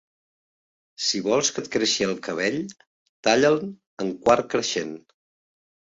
Si vols que et creixi el cabell, talla'l en quart creixent.